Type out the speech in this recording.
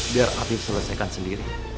biar afif selesaikan sendiri